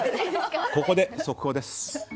ここで速報です。